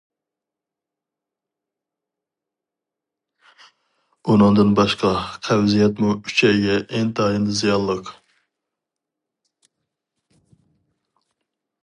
ئۇنىڭدىن باشقا، قەۋزىيەتمۇ ئۈچەيگە ئىنتايىن زىيانلىق.